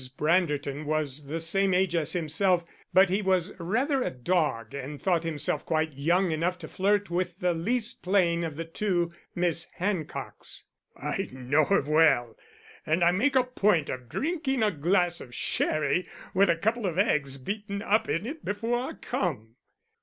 Branderton was the same age as himself, but he was rather a dog, and thought himself quite young enough to flirt with the least plain of the two Miss Hancocks. "I know her well, and I make a point of drinking a glass of sherry with a couple of eggs beaten up in it before I come."